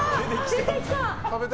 出てきた。